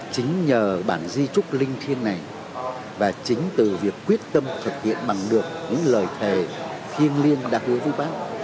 chính nhờ bản di trúc linh thiên này và chính từ việc quyết tâm thực hiện bằng được những lời thề thiêng liêng với bác